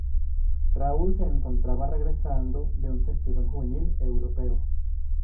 Raúl se encontraba regresando de un festival juvenil europeo.